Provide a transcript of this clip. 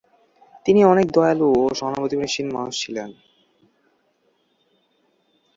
তিনি অনেক দয়ালু ও সহানুভূতিশীল মানুষ ছিলেন।